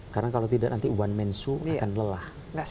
karena kalau tidak nanti one man suit akan lelah